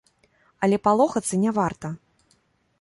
Але палохацца не варта.